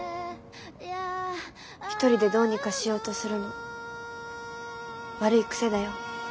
一人でどうにかしようとするの悪い癖だよ。